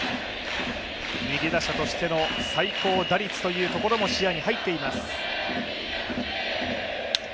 右打者としての最高打率というところも視野に入っています。